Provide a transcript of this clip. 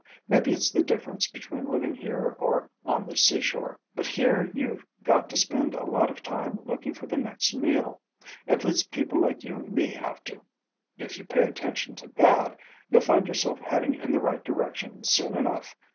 Maybe it's the difference between living here or on the seashore. But here you've got to spend a lot of time looking for the next meal. At least people like you and me have to. If you pay attention to that, you'll find yourself heading in the right direction soon enough.